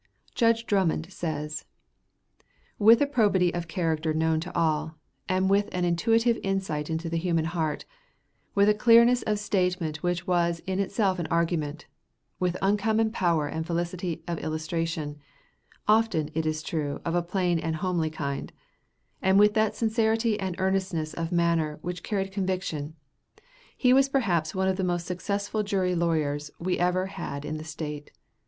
Judge Drummond says: With a probity of character known to all, with an intuitive insight into the human heart, with a clearness of statement which was in itself an argument, with uncommon power and felicity of illustration, often, it is true, of a plain and homely kind, and with that sincerity and earnestness of manner which carried conviction, he was perhaps one of the most successful jury lawyers we ever had in the State.